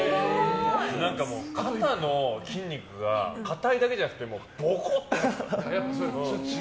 肩の筋肉が硬いだけじゃなくてボコ！って。